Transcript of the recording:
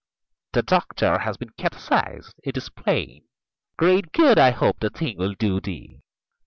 The Doctor has been catechised, 'tis plain; Great good, I hope, the thing will do thee.